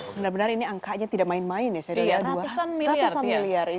benar benar ini angkanya tidak main main ya seratus an miliar